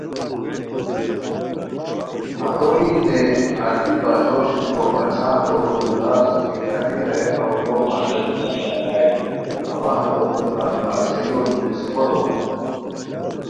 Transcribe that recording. ہتو یی نے التی باچھوت دیکو، باچھا ہتو لوڑی را اسور کی کاکی ہیہ کاوݰو مالکومتین الائے اوا ہتوتین تان باچھائیو نصفو دوم